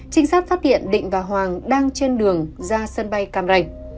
trinh sát phát hiện định và hoàng đang trên đường ra sân bay cam ranh